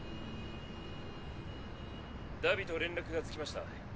荼毘と連絡がつきました。